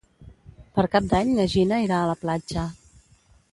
Per Cap d'Any na Gina irà a la platja.